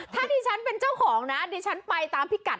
ถ้าที่ฉันเป็นเจ้าของนะที่ฉันไปตามพี่กัด